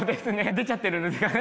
出ちゃってるんですかね。